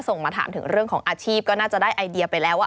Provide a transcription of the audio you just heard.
มาถามถึงเรื่องของอาชีพก็น่าจะได้ไอเดียไปแล้วว่า